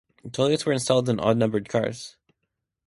Toilets were installed on odd numbered cars.